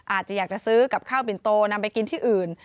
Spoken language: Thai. อาจจะอยากจะซื้อกับข้าวปิ่นโตนำไปกินที่อื่น